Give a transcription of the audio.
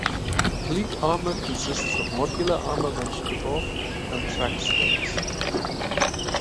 Applique armor consists of modular armor mentioned above and track skirts.